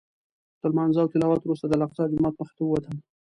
تر لمانځه او تلاوت وروسته د الاقصی جومات مخې ته ووتم.